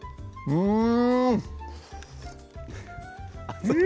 うん！